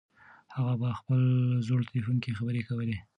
هغه په خپل زوړ تلیفون کې خبرې کولې.